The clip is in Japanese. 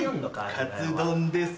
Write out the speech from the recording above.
カツ丼です。